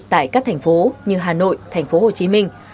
tại các thành phố như hà nội thành phố hồ chí minh